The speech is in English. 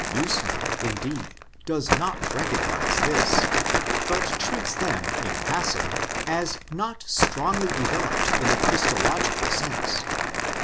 Usener, indeed, does not recognise this, but treats them in passing as not strongly developed in the Christological sense.